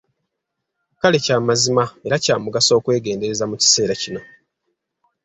Kale kya mazima era kya mugaso okwegendereza mu kiseera kino.